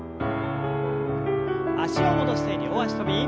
脚を戻して両脚跳び。